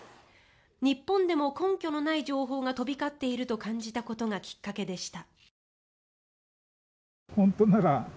日本でも根拠のない情報が飛び交っていると感じたことがきっかけでした。